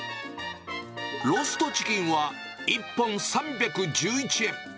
ローストチキンは１本３１１円。